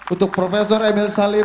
untuk profesor emel salim